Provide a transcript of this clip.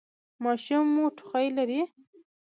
ماشوم مو ټوخی لري؟